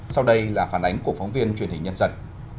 sau đây là phản ánh của phóng viên truyền hình nhân dân